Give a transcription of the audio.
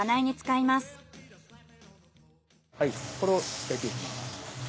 はいこれを焼いていきます。